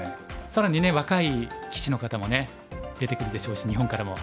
更に若い棋士の方もね出てくるでしょうし日本からも。